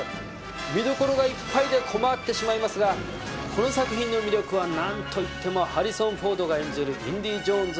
見どころがいっぱいで困ってしまいますがこの作品の魅力は何といってもハリソン・フォードが演じるインディ・ジョーンズ